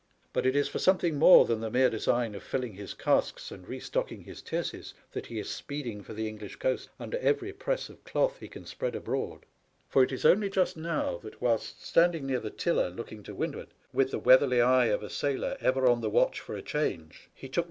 But it is for something more than the mere design of filling his casks and re stocking his tierces that he is speeding for the English coast under every press of cloth he can spread abroad. For it is only just now that, whilst standing near the tiller looking to windward, with the weatherly eye of a sailor ever on the watch for a change, he took * A commemorative paper, Daily Telegraph, June, 1888. 2D2 SPANISH ABMADA.